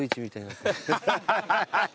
ハハハハッ！